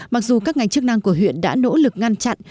mặc dù các ngành chức năng của huyện đã nỗ lực ngăn chặn